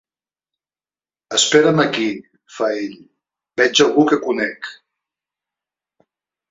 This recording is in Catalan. Espera'm aquí —fa ell—, veig algú que conec.